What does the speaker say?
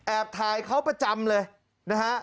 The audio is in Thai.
ถ่ายเขาประจำเลยนะฮะ